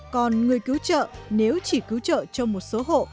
còn người cứu trợ nếu chỉ cứu trợ cho một số hộ